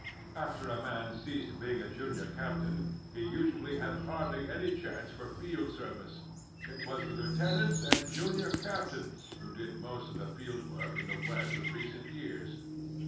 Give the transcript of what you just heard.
After a man ceased being a junior captain he usually had hardly any chance for field service ; it was the lieutenants and junior captains who did most of the field work in the West of recent years.